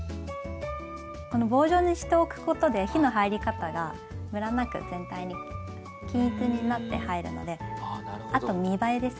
この棒状にしておくことで火の入り方がムラなく全体に均一になって入るので。